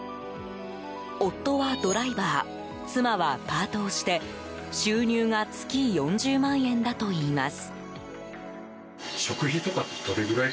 夫はドライバー妻はパートをして収入が月４０万円だといいます。